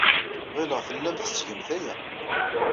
Ɣileɣ tellamt tettgemt aya.